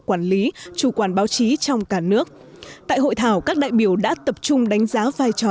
quản lý chủ quản báo chí trong cả nước tại hội thảo các đại biểu đã tập trung đánh giá vai trò